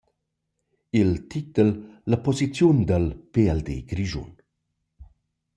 Il titul: La posiziun da la pld Grischun.